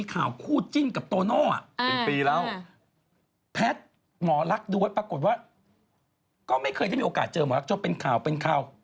จำได้ว่าที่ใส่ชุดสีขาวไรใช่มะ